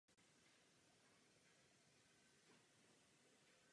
Se svou ženou Markétou tvoří autorskou dvojici.